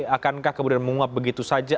akankah kemudian menguap begitu saja